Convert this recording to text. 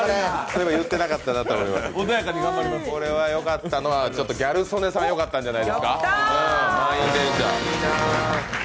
これは良かったのはギャル曽根さん良かったんじゃないですか。